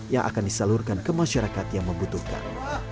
yang akan disalurkan ke masyarakat yang membutuhkan